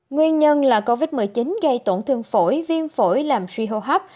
nguyên nhân là covid một mươi chín gây tổn thương phổi viêm phổi làm suy hô hấp